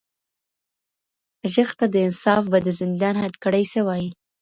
ږغ ته د انصاف به د زندان هتکړۍ څه وايي